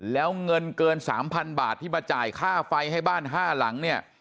แล้วเงินเกิน๓๐๐๐บาทที่มาจ่ายค่าไฟให้บ้าน๕หลังเนี่ย